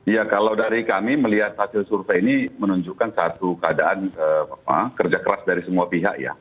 ya kalau dari kami melihat hasil survei ini menunjukkan satu keadaan kerja keras dari semua pihak ya